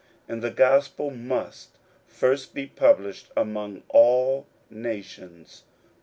41:013:010 And the gospel must first be published among all nations.